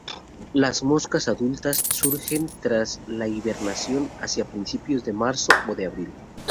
Las moscas adultas surgen tras la hibernación hacia principios de marzo o de abril.